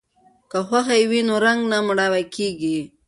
که خوښي وي نو رنګ نه مړاوی کیږي.